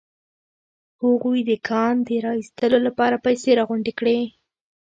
هغوی د کان د را ايستلو لپاره پيسې راغونډې کړې.